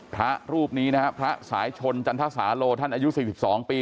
พระรูปนี้พระสายชนจันทสาโลธอายุ๑๖๑๒ปี